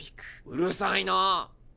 うるさいなぁ！